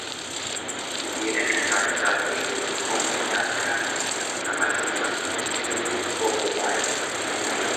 Direktor Załožby se pó wustawkach na maksimalnje sedym lět pówołajo.